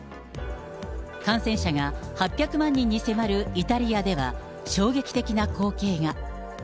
感染者が８００万人に迫るイタリアでは、衝撃的な光景が。